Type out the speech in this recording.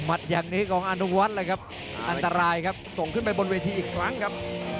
อัตโนวัสว์แบบเองเลยครับ